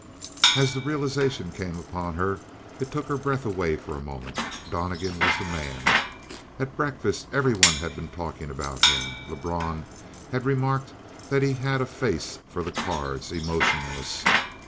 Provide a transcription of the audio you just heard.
As the realization came upon her it took her breath away for a moment. Donnegan was the man. At breakfast everyone had been talking about him. Lebrun had remarked that he had a face for the cards emotionless.